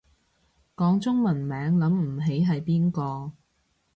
講中文名諗唔起係邊個